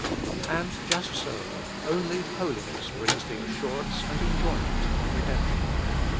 And just so, only holiness brings the assurance and enjoyment of redemption.